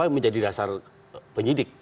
menjadi dasar penyidik